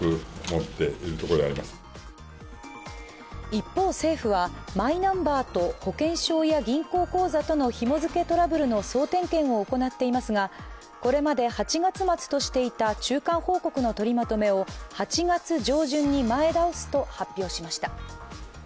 一方、政府はマイナンバーと保険証や銀行口座とのひも付けトラブルの総点検を行っていますが、これまで８月末としていた中間報告の取りまとめを８月上旬に前倒すと発表しました。